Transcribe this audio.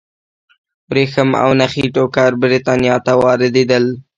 ورېښم او نخي ټوکر برېټانیا ته واردېدل.